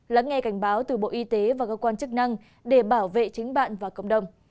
lắng nghe cảnh báo từ bộ y tế và cơ quan chức năng để bảo vệ chính bạn và cộng đồng